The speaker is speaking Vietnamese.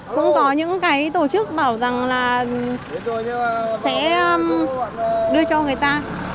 cũng có những cái tổ chức bảo rằng là sẽ đưa cho người ta